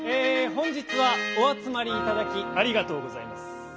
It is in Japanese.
本日はおあつまりいただきありがとうございます。